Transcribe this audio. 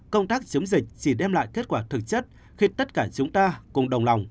công tác chống dịch chỉ đem lại kết quả thực chất khi tất cả chúng ta cùng đồng lòng